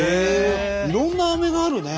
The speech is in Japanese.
いろんなアメがあるね！